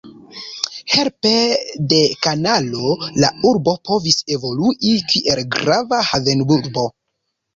Helpe de kanalo la urbo povis evolui kiel grava havenurbo.